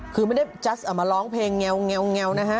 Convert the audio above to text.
คือไม่ได้จัดเอามาร้องเพลงแงวนะฮะ